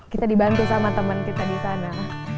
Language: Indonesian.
kita dibantu sama teman kita disana